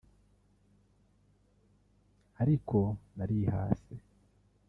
ariko narihase